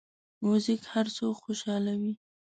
موزیک هر څوک خوشحالوي.